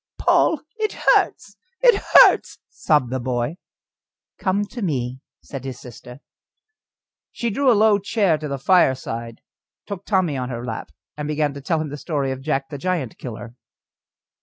"Poll! it hurts! it hurts!" sobbed the boy. "Come to me," said his sister. She drew a low chair to the fireside, took Tommy on her lap, and began to tell him the story of Jack the Giant killer.